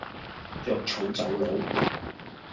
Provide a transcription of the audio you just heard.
著草走佬